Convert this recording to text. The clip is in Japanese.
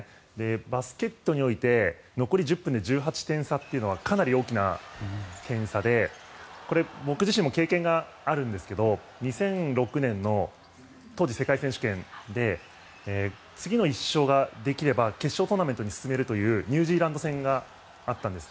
バスケットにおいて残り１０分で１８点差というのはかなり大きな点差で僕自身も経験があるんですけど２００６年の当時、世界選手権で次の１勝ができれば決勝トーナメントに進めるというニュージーランド戦があったんです。